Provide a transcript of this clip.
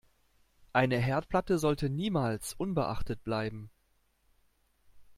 Eine Herdplatte sollte niemals unbeachtet bleiben.